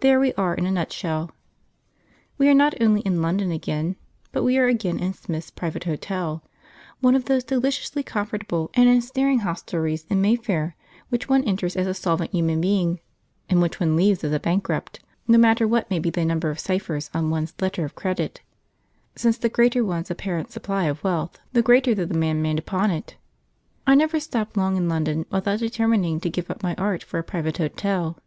There we are in a nutshell. We are not only in London again, but we are again in Smith's private hotel; one of those deliciously comfortable and ensnaring hostelries in Mayfair which one enters as a solvent human being, and which one leaves as a bankrupt, no matter what may be the number of ciphers on one's letter of credit; since the greater one's apparent supply of wealth, the greater the demand made upon it. I never stop long in London without determining to give up my art for a private hotel.